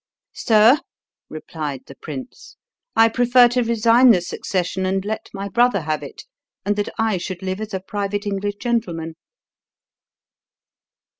"Sir," replied the prince, "I prefer to resign the succession and let my brother have it, and that I should live as a private English gentleman."